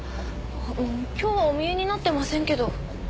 うーん今日はお見えになってませんけど。